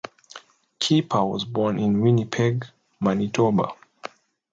Keeper was born in Winnipeg, Manitoba.